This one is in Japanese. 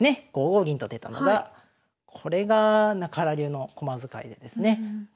５五銀と出たのがこれが中原流の駒使いでですね。